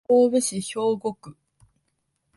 神戸市兵庫区